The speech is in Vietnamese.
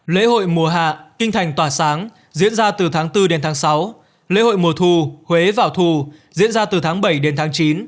lễ hội mùa hạ kinh thành tỏa sáng diễn ra từ tháng bốn đến tháng sáu lễ hội mùa thu huế vào thù diễn ra từ tháng bảy đến tháng chín